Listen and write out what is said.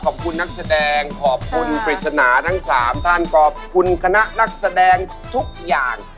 ขอบคุณนักแสดงขอบคุณปริศนาทั้งสามท่านขอบคุณคณะนักแสดงทุกอย่าง